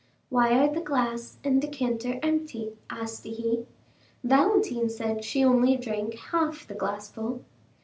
"Why are the glass and decanter empty?" asked he; "Valentine said she only drank half the glassful."